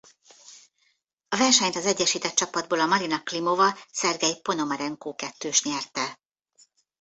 A versenyt az Egyesített Csapatból a Marina Klimova–Szergej Ponomarenko-kettős nyerte.